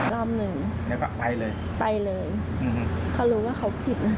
รอม๑ไปเลยเขารู้ว่าเขาผิด